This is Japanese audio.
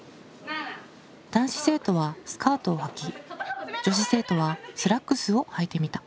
男子生徒はスカートをはき女子生徒はスラックスをはいてみた。